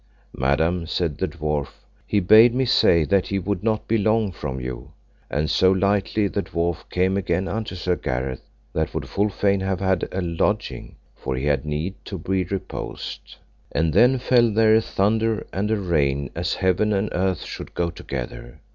Madam, said the dwarf, he bade me say that he would not be long from you. And so lightly the dwarf came again unto Sir Gareth, that would full fain have had a lodging, for he had need to be reposed. And then fell there a thunder and a rain, as heaven and earth should go together.